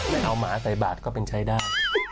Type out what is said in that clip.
ไม่เอาหมาใส่บาทก็เป็นใช้ได้